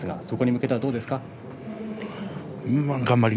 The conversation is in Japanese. そこに向けては、どうですか。